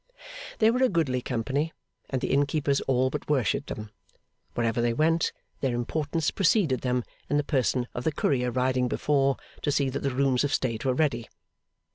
They were a goodly company, and the Innkeepers all but worshipped them. Wherever they went, their importance preceded them in the person of the courier riding before, to see that the rooms of state were ready.